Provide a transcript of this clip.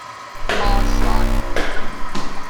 آسال